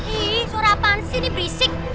ih suara apaan sih ini berisik